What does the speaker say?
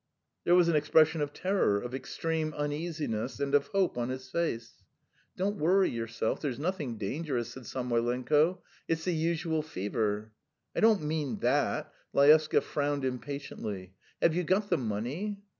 There was an expression of terror, of extreme uneasiness, and of hope on his face. "Don't worry yourself; there's nothing dangerous," said Samoylenko; "it's the usual fever." "I don't mean that." Laevsky frowned impatiently. "Have you got the money?"